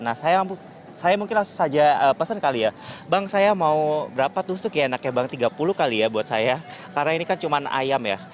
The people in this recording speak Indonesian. nah saya mungkin langsung saja pesan kali ya bang saya mau berapa tusuk ya enaknya bang tiga puluh kali ya buat saya karena ini kan cuma ayam ya